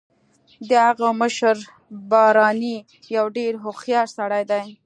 د هغه مشر بارني یو ډیر هوښیار سړی دی